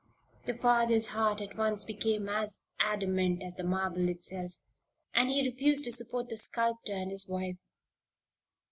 "The father's heart at once became as adamant as the marble itself, and he refused to support the sculptor and his wife.